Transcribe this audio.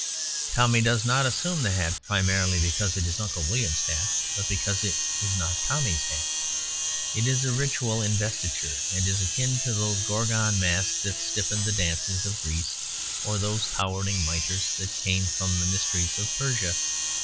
Tommy does not assume the hat primarily because it is Uncle William's hat, but because it is not Tommy's hat. It is a ritual investiture; and is akin to those Gorgon masks that stiffened the dances of Greece or those towering mitres that came from the mysteries of Persia.